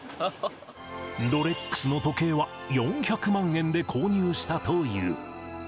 ロレックスの時計は、４００万円で購入したという。